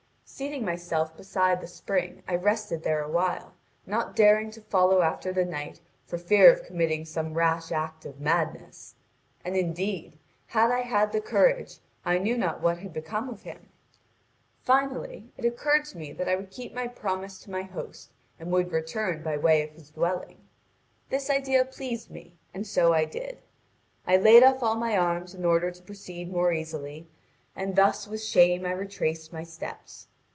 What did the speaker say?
Seating myself beside the spring I rested there awhile, not daring to follow after the knight for fear of committing some rash act of madness. And, indeed, had I had the courage, I knew not what had become of him. Finally, it occurred to me that I would keep my promise to my host and would return by way of his dwelling. This idea pleased me, and so I did. I laid off all my arms in order to proceed more easily, and thus with shame I retraced my steps.